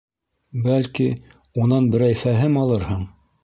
Бәлки, унан берәй фәһем алырһың.